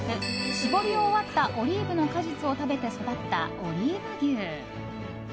搾り終わったオリーブの果実を食べて育ったオリーブ牛。